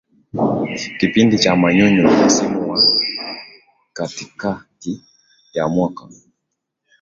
kipindi cha manyunyu ni msimu wa katikati ya mwaka